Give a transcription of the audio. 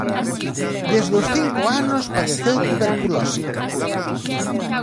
Desde os cinco anos padeceu tuberculose.